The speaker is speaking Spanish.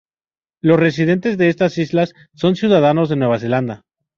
Los residentes de estas islas son ciudadanos de Nueva Zelanda.